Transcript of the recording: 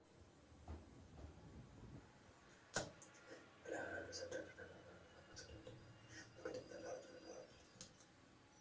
ল্হো-ব্রাগ-নাম-ম্খা'-র্গ্যাল-পো ত্রয়োদশ শতাব্দীতে দক্ষিণ তিব্বতের ল্হো-ব্রাগ অঞ্চলে শুদ-বু পরিবারগোষ্ঠীতে জন্মগ্রহণ করেন।